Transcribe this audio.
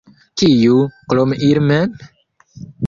Kiu, krom ili mem?